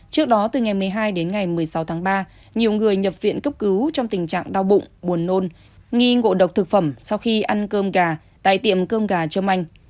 trước đó từ ngày một mươi hai đến ngày một mươi sáu tháng ba nhiều người nhập viện cấp cứu trong tình trạng đau bụng buồn nôn nghi ngộ độc thực phẩm sau khi ăn cơm gà tại tiệm cơm gà trơm anh